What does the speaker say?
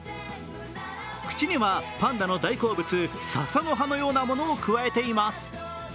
口にはパンダの大好物、ささの葉のようなものをくわえています。